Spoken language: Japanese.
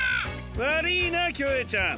わりぃなキョエちゃん。